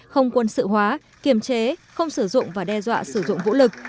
không quân sự hóa kiềm chế không sử dụng và đe dọa sử dụng vũ lực